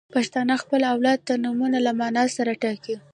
• پښتانه خپل اولاد ته نومونه له معنا سره ټاکي.